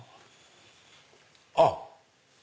あっ！